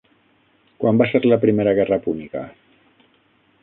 Quan va ser la Primera Guerra Púnica?